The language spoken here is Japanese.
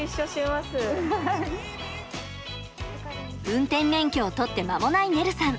運転免許を取って間もないねるさん。